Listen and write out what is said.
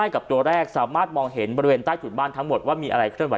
กับตัวแรกสามารถมองเห็นบริเวณใต้ถุนบ้านทั้งหมดว่ามีอะไรเคลื่อ